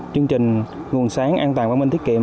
chương trình nguồn sáng an toàn quảng minh tiết kiệm